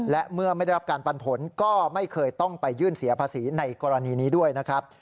และเมื่อไม่ได้รับการปันผลก็ไม่เคยต้องไปยื่นเสียภาษีในกรณีนี้ด้วยนะครับ